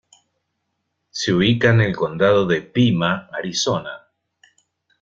Se ubica en el Condado de Pima, Arizona.